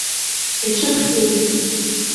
Иҽыԥхьеикит.